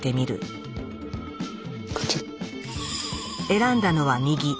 選んだのは右。